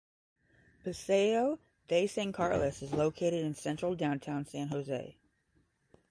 Paseo de San Carlos is located in central Downtown San Jose.